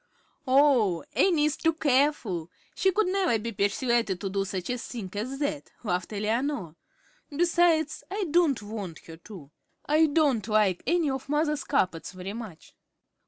"Oh, Annie is too careful; she could never be persuaded to do such a thing as that," laughed Eleanor. "Besides, I don't want her to. I don't like any of mother's carpets very much."